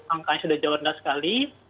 angkanya sudah jauh rendah sekali